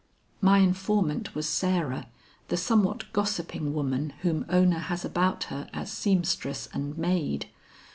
My informant was Sarah, the somewhat gossiping woman whom Ona has about her as seamstress and maid.